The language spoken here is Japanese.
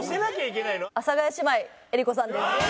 阿佐ヶ谷姉妹江里子さんです。